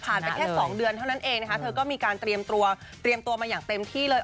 ไปแค่๒เดือนเท่านั้นเองนะคะเธอก็มีการเตรียมตัวเตรียมตัวมาอย่างเต็มที่เลย